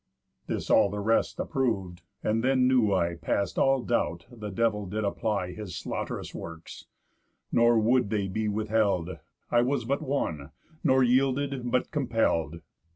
This all the rest approv'd, and then knew I That past all doubt the Devil did apply His slaught'rous works. Nor would they be withheld; I was but one, nor yielded but compell'd.